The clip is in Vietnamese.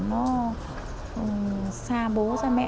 nó xa bố xa mẹ